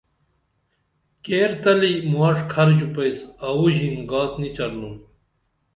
کیر تلی ماݜ کھر ژُپئس اوو ژِن گاس نی چرنُن